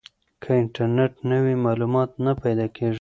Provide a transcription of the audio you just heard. که انټرنیټ نه وي معلومات نه پیدا کیږي.